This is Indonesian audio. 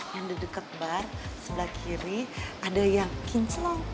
yang di dekat bar sebelah kiri ada yang kinclong